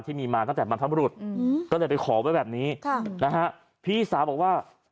ที่มีมาตั้งแต่บรรพบรุษก็เลยไปขอไว้แบบนี้ค่ะนะฮะพี่สาวบอกว่า